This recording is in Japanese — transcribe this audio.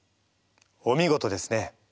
お見事ですね。